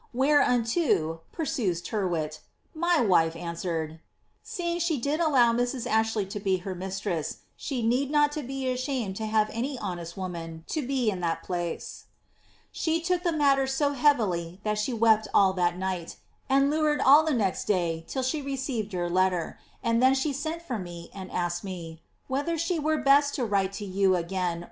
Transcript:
^* Whereunto," pursues Tyrwhit, ^^ my wife answereil, ^ seeing she did allow Mrs. Ashley to be her mis tress, siic need not to be ashamed to have any honest woman to be in (hat place' She took the matter so heavily that she wept all that night, and loured all the n^xt dav till she receive<] vour letter; and then she iFent for me, and asked me ^whether she were best to write to you again 'Haynos ' State PajterB. • Ibid. " Ibid. BLIZABBTH.